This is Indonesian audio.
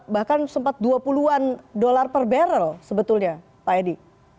bahkan sempat dua puluh an dolar per barrel sebetulnya pak edi